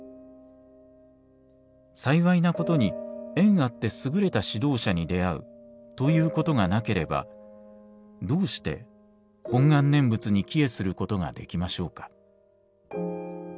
幸いなことに縁あってすぐれた指導者に出遭うということがなければどうして本願念仏に帰依することができましょうか。